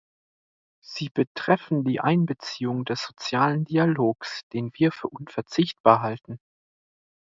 Sie betreffen die Einbeziehung des sozialen Dialogs, den wir für unverzichtbar halten.